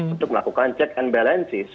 untuk melakukan check and balances